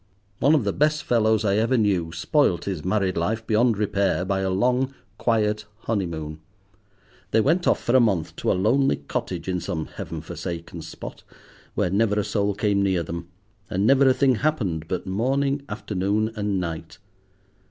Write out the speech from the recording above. One of the best fellows I ever knew spoilt his married life beyond repair by a long quiet honeymoon. They went off for a month to a lonely cottage in some heaven forsaken spot, where never a soul came near them, and never a thing happened but morning, afternoon, and night.